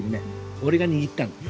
俺が握ったの。